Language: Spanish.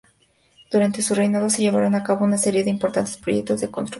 Durante su reinado se llevaron a cabo una serie de importantes proyectos de construcción.